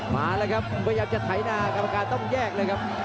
มาแล้วครับพยายามจะไถนากรรมการต้องแยกเลยครับ